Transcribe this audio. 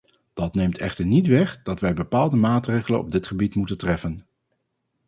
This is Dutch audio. Dat neemt echter niet weg dat wij bepaalde maatregelen op dit gebied moeten treffen.